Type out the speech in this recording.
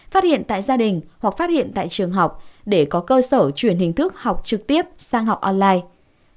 phát hiện tại gia đình hoặc phát hiện tại trường học để có cơ sở chuyển hình thức học trực tiếp sang học online